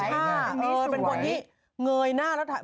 เป็นคนที่เงยหน้าแล้วถ่าย